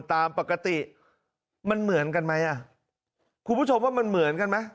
ตามปกติมันเหมือนกันไหมอ่ะคุณผู้ชมว่ามันเหมือนกันไหม